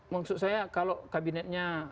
maksud saya kalau kabinetnya